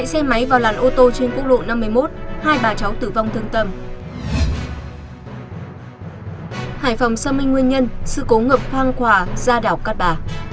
hải phòng xâm minh nguyên nhân sự cố ngập hoang hòa ra đảo cát bà